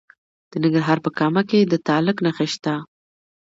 د ننګرهار په کامه کې د تالک نښې شته.